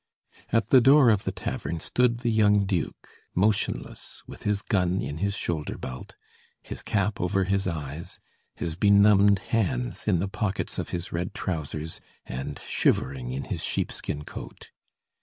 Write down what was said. At the door of the tavern stood the young duke, motionless, with his gun in his shoulder belt, his cap over his eyes, his benumbed hands in the pockets of his red trousers, and shivering in his sheepskin coat.